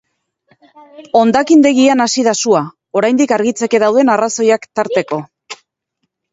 Hondakindegian hasi da sua, oraindik argitzeke dauden arrazoiak tarteko.